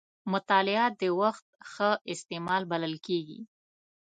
مطالعه د وخت ښه استعمال بلل کېږي.